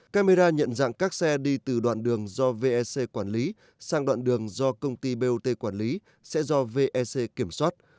camera nhận dạng các xe đi từ đoạn đường do vec quản lý sang đoạn đường do công ty bot quản lý sẽ do vec kiểm soát